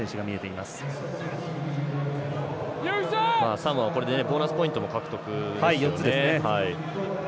サモアこれでボーナスポイントも４つですね。